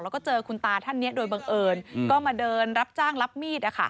แล้วก็เจอคุณตาท่านนี้โดยบังเอิญก็มาเดินรับจ้างรับมีด